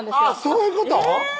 そういうこと？